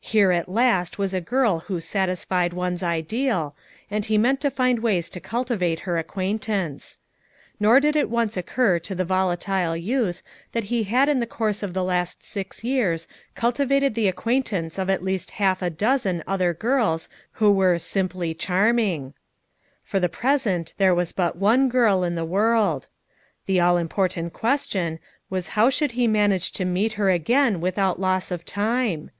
Here at last was a girl who satisfied one's ideal, and he meant to find ways to cultivate her acquaintance, Nor did it once occur to the volatile youth that he had in the course of the last six years cultivated the ac quaintance of at least half a dozen other girls who were " simply charming." For the pres ent there was but one girl in the world. The all important question was how should he man age to meet her again without loss of time?